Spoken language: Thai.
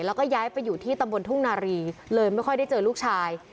แล้วก็ย้ายไปอยู่ที่ตำบลทุ่งนารีเลยไม่ค่อยได้เจอลูกชาย